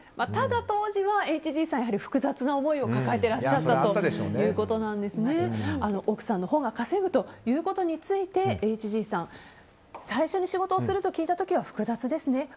ただ、当時はＨＧさんやはり複雑な思いを抱えてらっしゃったということで奥さんのほうが稼ぐことについてＨＧさん、最初に仕事をすると聞いた時は、すごく複雑ですね。